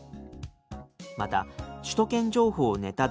また首都圏情報ネタドリ！